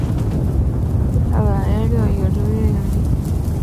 亚球孢黑腹菌是属于牛肝菌目黑腹菌科黑腹菌属的一种担子菌。